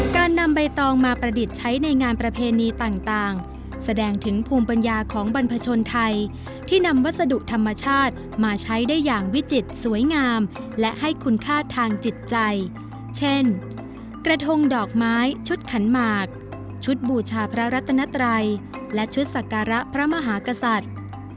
การนำใบตองมาประดิษฐ์ใช้ในงานประเพณีต่างแสดงถึงภูมิปัญญาของบรรพชนไทยที่นำวัสดุธรรมชาติมาใช้ได้อย่างวิจิตรสวยงามและให้คุณค่าทางจิตใจเช่นกระทงดอกไม้ชุดขันหมากชุดบูชาพระรัตนัตรัยและชุดสักการะพระมหากษัตริย์